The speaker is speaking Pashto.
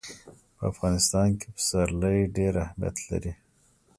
په افغانستان کې پسرلی ډېر اهمیت لري.